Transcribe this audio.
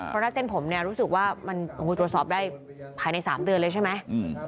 เพราะรถเส้นผมรู้สึกว่ามันครบูดตรวจสอบได้ผ่านใน๓เดือนเลยใช่ไหม